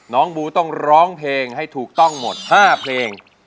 บูต้องร้องเพลงให้ถูกต้องหมด๕เพลง